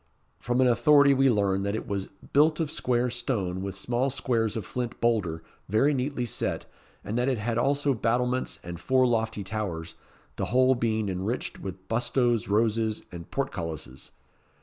From an authority we learn that it was "built of square stone, with small squares of flint boulder, very neatly set; and that it had also battlements, and four lofty towers, the whole being enriched with bustos, roses, and portcullises."